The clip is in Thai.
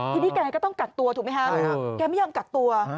ทีนี้แกก็ต้องกักตัวถูกไหมคะแกไม่ยอมกักตัว